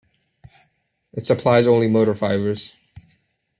It supplies only motor fibres.